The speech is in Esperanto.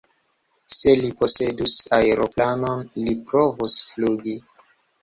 Se li posedus aeroplanon, li provus flugi.